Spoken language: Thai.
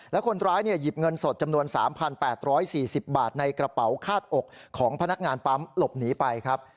และคนร้ายหยิบเงินสดจำนวน๓๘๔๐บาทในกระเป๋าคาดอกของพนักงานปั๊มหลบหนีไปครับ